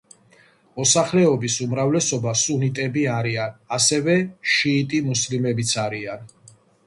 მოსახლეობის უმრავლესობა სუნიტები არიან, ასევე შიიტი მუსლიმებიც არიან.